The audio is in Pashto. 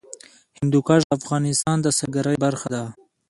هندوکش د افغانستان د سیلګرۍ برخه ده.